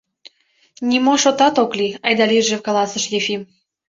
— Нимо шотат ок лий, — айда лийже каласыш Ефим.